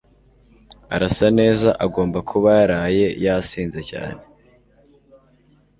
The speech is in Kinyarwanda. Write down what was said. Arasa neza. Agomba kuba yaraye yasinze cyane.